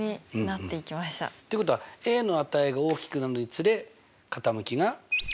っていうことはの値が大きくなるにつれ傾きが？